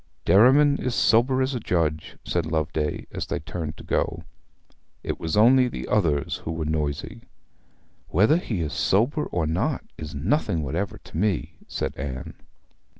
'Derriman is sober as a judge,' said Loveday, as they turned to go. 'It was only the others who were noisy.' 'Whether he is sober or not is nothing whatever to me,' said Anne.